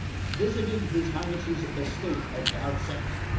Visited his Highness's estate at Valsecca.